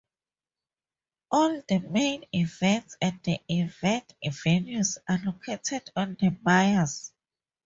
All the main events and event venues are located on the Maes.